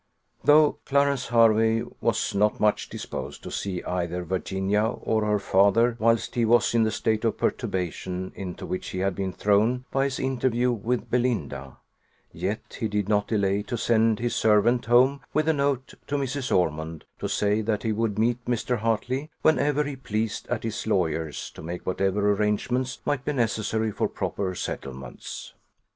Though Clarence Hervey was not much disposed to see either Virginia or her father whilst he was in the state of perturbation into which he had been thrown by his interview with Belinda, yet he did not delay to send his servant home with a note to Mrs. Ormond, to say that he would meet Mr. Hartley, whenever he pleased, at his lawyer's, to make whatever arrangements might be necessary for proper settlements.